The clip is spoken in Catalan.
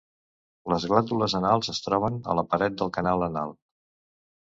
Les glàndules anals es troben a la paret del canal anal.